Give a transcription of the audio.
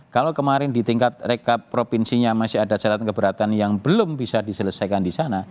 kalau kemarin di tingkat rekap provinsinya masih ada syarat keberatan yang belum bisa diselesaikan di sana